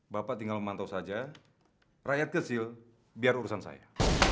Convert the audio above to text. bapak tinggal memantau saja rakyat kecil biar urusan saya